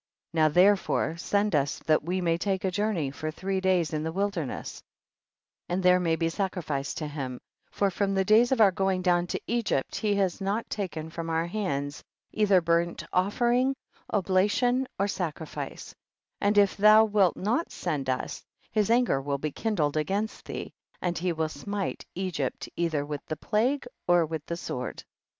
48. Now therefore send us, that we may take a journey for three days in the wilderness, and there may sacrifice to him, for from the days of our going down to Egypt, he has not taken from our hands, either burnt offering, oblation or sacrifice, and if thou wilt not send us, his an ger will be kindled against thee, and he will smite Egypt cither with the plague or with the sword.